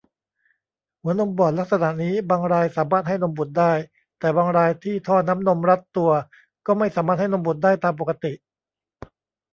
หัวนมบอดลักษณะนี้บางรายสามารถให้นมบุตรได้ แต่บางรายที่ท่อน้ำนมรัดตัวก็ไม่สามารถให้นมบุตรได้ตามปกติ